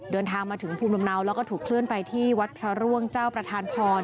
เดินทางมาถึงภูมิลำเนาแล้วก็ถูกเคลื่อนไปที่วัดพระร่วงเจ้าประธานพร